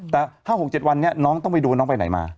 แต่ถ้า๖๗วันนี้น้องต้องไปดูว่าน้องไปไหนมา